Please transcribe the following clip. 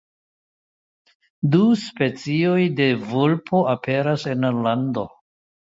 Du specioj de vulpo aperas en la lando.